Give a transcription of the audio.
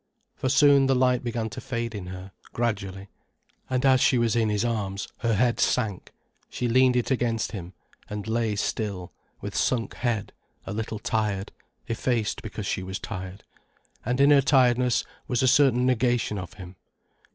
For soon the light began to fade in her, gradually, and as she was in his arms, her head sank, she leaned it against him, and lay still, with sunk head, a little tired, effaced because she was tired. And in her tiredness was a certain negation of him.